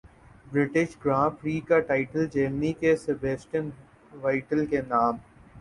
British Grand Prix کا title Germany کے Sebastian Vettel کے نام